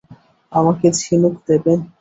আমাকে ঝিনুক দেবেন।